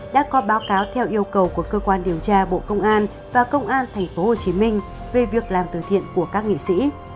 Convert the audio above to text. đã có báo cáo theo yêu cầu của cơ quan điều tra bộ công an và công an thành phố hồ chí minh về việc làm từ thiện của các nghị sĩ